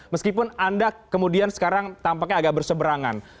meskipun anda kemudian sekarang tampaknya agak berseberangan